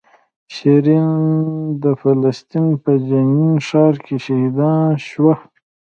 شیرین د فلسطین په جنین ښار کې شهیدان شوه.